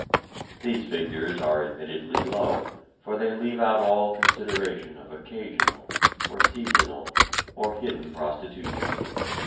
These figures are admittedly low for they leave out all consideration of occasional, or seasonal, or hidden prostitution.